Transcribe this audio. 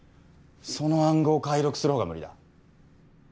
その暗号を解読する方が無理だ。